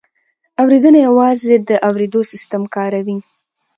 اورېدنه یوازې د اورېدو سیستم کاروي